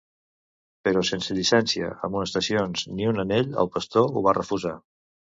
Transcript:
Però sense llicència, amonestacions ni un anell, el pastor ho va refusar.